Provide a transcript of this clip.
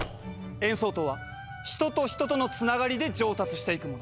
演奏とは人と人とのつながりで上達していくもの。